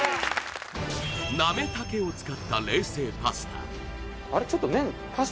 なめ茸を使った冷製パスタ